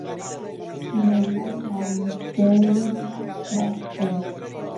مەلای هەڵمەستێنن با بخەوێ